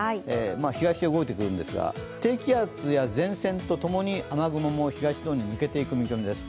東へ動いてくるんですが、低気圧や前線とともに雨雲も東の方に抜けていく見込みです。